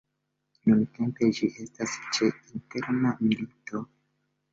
Nuntempe, ĝi estas ĉe interna milito.